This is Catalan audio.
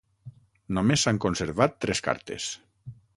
Només s'han conservat tres cartes.